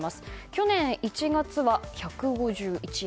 去年１月は１５１円。